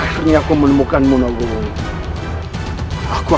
sampai jumpa di video selanjutnya